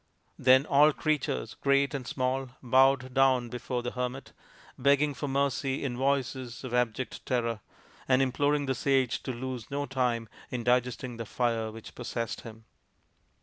Then all creatures, great and small, bowed down before the hermit, begging for mercy in voices of abject terror, and imploring the sage to lose no time in digesting the fire which possessed him.